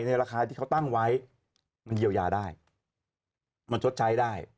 ราคาที่เขาตั้งไว้มันเยียวยาได้มันชดใช้ได้